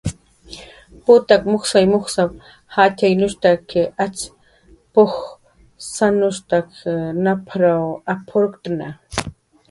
"Putak mujsay mujs jatxyanushtaki, acx p""uj saki nap""r ap""urktna"